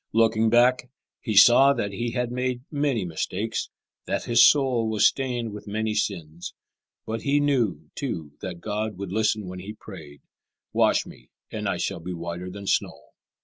Looking back, he saw that he had made many mistakes, that his soul was stained with many sins; but he knew, too, that God would listen when he prayed, "Wash me, and I shall be whiter than snow."